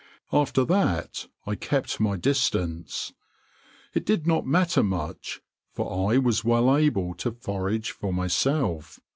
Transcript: After that I kept my distance. It did not matter much, for I was well able to forage for myself.